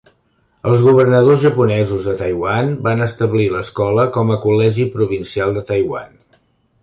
Els governadors japonesos de Taiwan van establir l'escola com a Col·legi Provincial de Taiwan.